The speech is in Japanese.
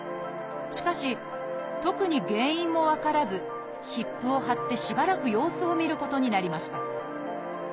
しかし特に原因も分からず湿布を貼ってしばらく様子を見ることになりました。